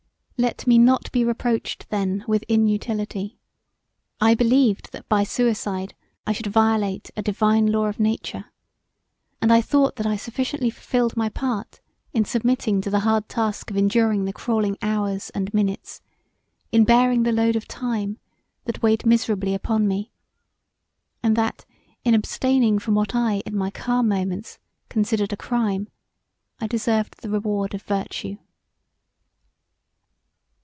Let me not be reproached then with inutility; I believed that by suicide I should violate a divine law of nature, and I thought that I sufficiently fulfilled my part in submitting to the hard task of enduring the crawling hours & minutes in bearing the load of time that weighed miserably upon me and that in abstaining from what I in my calm moments considered a crime, I deserved the reward of virtue.